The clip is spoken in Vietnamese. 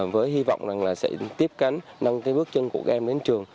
với hy vọng rằng là sẽ tiếp cánh nâng cái bước chân của các em đến trường